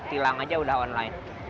tilang aja udah online